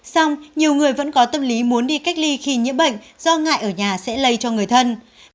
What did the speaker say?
xong nhiều người vẫn có tâm lý muốn đi cách ly khi nhiễm bệnh do ngại ở nhà sẽ lây cho người thân